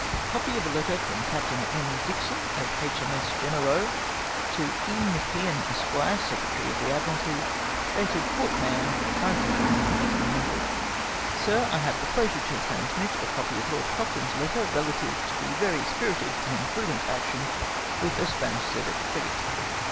Copy of a letter from Capt. M. Dixon, of II. M. S. Genereux., to E. Nepean, Esq., Secretary of the Admiralty, dated Port Malwn, mil June, 1800. "SiPx, — I have the pleasure to transmit a copy of Lord Cochrane's letter relative to the very spirited and brilHant action with a Spanish xebec frigate.